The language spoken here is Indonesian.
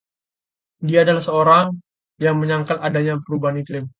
Dia adalah seorang yang menyangkal adanya perubahan iklim.